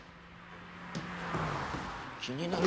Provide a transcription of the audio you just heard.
気になる。